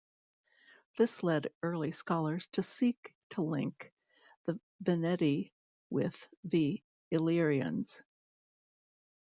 This led early scholars to seek to link the Veneti with the Illyrians.